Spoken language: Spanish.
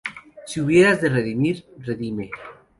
Si hubieres de redimir, redime;